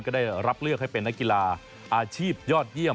ก็ได้รับเลือกให้เป็นนักกีฬาอาชีพยอดเยี่ยม